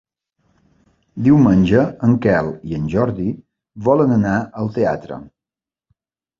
Diumenge en Quel i en Jordi volen anar al teatre.